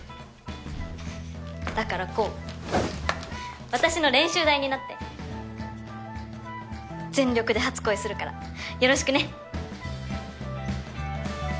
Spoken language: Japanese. だから煌私の練習台になって全力で初恋するからよろしくね！